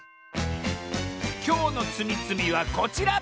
きょうのつみつみはこちら！